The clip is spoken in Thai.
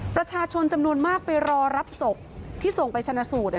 ประชาชนจำนวนมากไปรอรับศพที่ส่งไปชนะสูตร